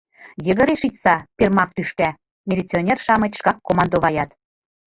Йыгыре шичса, пермак тӱшка! — милиционер-шамыч шкак командоваят.